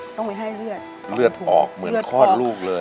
ต้องไปให้เลือดเลือดออกเหมือนคลอดลูกเลย